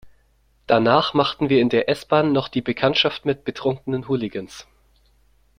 Danach machten wir in der S-Bahn noch die Bekanntschaft mit betrunkenen Hooligans.